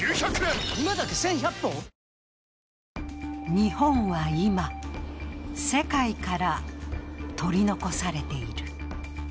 日本は今、世界から取り残されている。